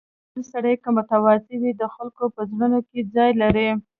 • شتمن سړی که متواضع وي، د خلکو په زړونو کې ځای لري.